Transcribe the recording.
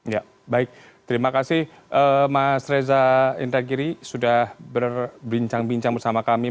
ya baik terima kasih mas reza indragiri sudah berbincang bincang bersama kami